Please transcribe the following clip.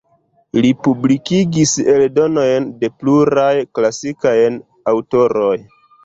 Li publikigis eldonojn de pluraj klasikaj aŭtoroj.